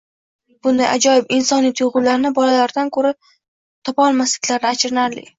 Bunday ajoyib insoniy tuyg‘ularni bolalaridan topa olmasliklarini achinarli.